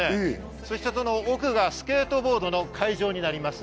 その奥がスケートボードの会場になります。